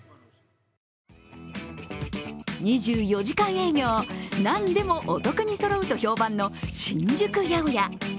２４時間営業、なんでもお得にそろうと評判の新宿八百屋。